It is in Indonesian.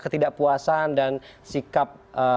ketidakpuasan dan sikap